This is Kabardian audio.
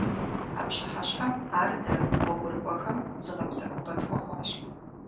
А пщыхьэщхьэм ар дэ, гъуэгурыкIуэхэм, зыгъэпсэхупIэ тхуэхъуащ.